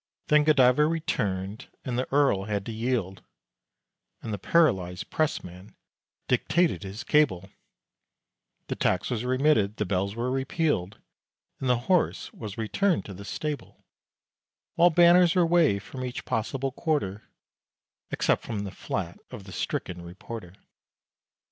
Then Godiva returned, and the Earl had to yield, (And the paralyzed pressman dictated his cable;) The tax was remitted, the bells were repealed, And the horse was returned to the stable; While banners were waved from each possible quarter, Except from the flat of the stricken reporter.